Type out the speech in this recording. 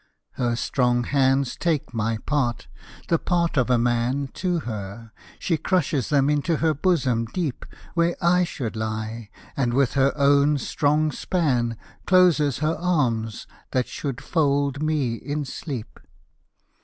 Her strong hands take my part, the part of a man To her; she crushes them into her bosom deep Where I should lie, and with her own strong span Closes her arms, that should fold me in sleep.